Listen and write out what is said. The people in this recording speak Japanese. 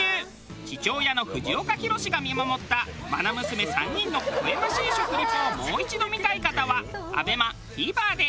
父親の藤岡弘、が見守ったまな娘３人のほほえましい食リポをもう一度見たい方はＡＢＥＭＡＴＶｅｒで。